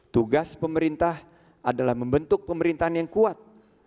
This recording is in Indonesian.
tugas pemerintah adalah membentuk pemerintahan yang kuat